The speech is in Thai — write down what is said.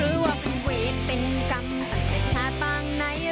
รู้ว่าคืนเวทย์เป็นกรรมแต่กระชากบ้างไหน